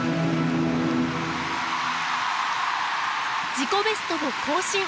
自己ベストを更新！